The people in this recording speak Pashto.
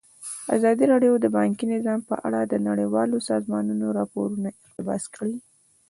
ازادي راډیو د بانکي نظام په اړه د نړیوالو سازمانونو راپورونه اقتباس کړي.